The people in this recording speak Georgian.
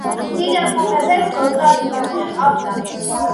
დიდებულ მეფეს ოცდაათი ვაჟი ჰყავდა